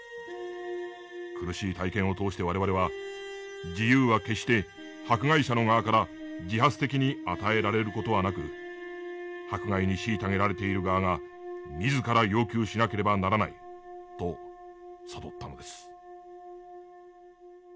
苦しい体験を通して我々は自由は決して迫害者の側から自発的に与えられる事はなく迫害に虐げられている側が自ら要求しなければならないと悟ったのです」。